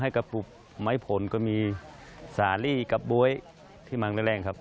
กระปุบไม้ผลก็มีสาลีกับบ๊วยที่มังแรงครับ